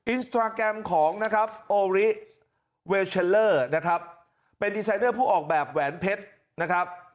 อินสตราแกรมของนะครับโอริเวลเชลเลอร์นะครับเป็นดีไซเนอร์ผู้ออกแบบแหวนเพชรนะครับ